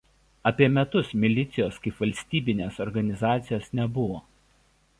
Apie metus milicijos kaip valstybinės organizacijos nebuvo.